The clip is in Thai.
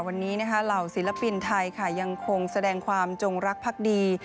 วันนี้นะคะเหล่าศิลปินไทยค่ะยังคงแสดงความจงรักพักดี